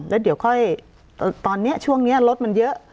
แล้วเดี๋ยวค่อยตอนนี้ช่วงนี้รถมันเยอะ